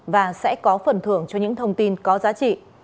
và sẽ có phần thưởng cho những thông tin có giá trị